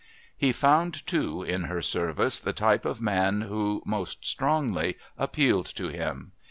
He found, too, in her service, the type of man who, most strongly, appealed to him.